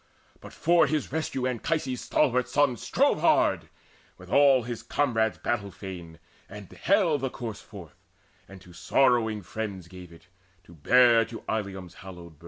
But for his rescue Anchises' stalwart son Strove hard, with all his comrades battle fain, And haled the corse forth, and to sorrowing friends Gave it, to bear to Ilium's hallowed burg.